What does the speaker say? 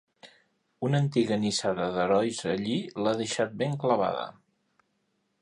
Una antiga nissaga d'herois allí l'ha deixat ben clavada.